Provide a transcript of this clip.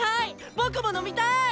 僕も飲みたい！